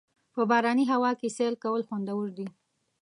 په باراني هوا کې سیل کول خوندور دي.